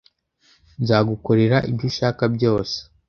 nzagukorera ibyo ushaka byose